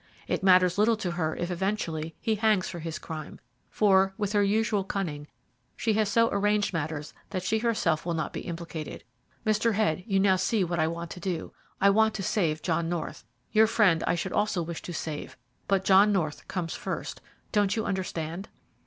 It matters little to her if eventually he hangs for his crime; for, with her usual cunning, she has so arranged matters that she herself will not be implicated. Mr. Head, you now see what I want to do. I want to save John North. Your friend I should also wish to save, but John North comes first, don't you understand?"